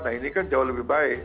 nah ini kan jauh lebih baik